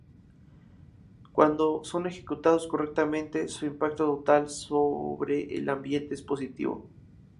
Cuando son ejecutados correctamente, su impacto total sobre el ambiente es positivo.